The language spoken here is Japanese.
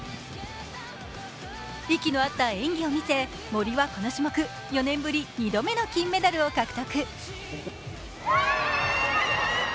息の合った演技を見せ、森はこの種目、４年ぶり２度目の金メダルを獲得。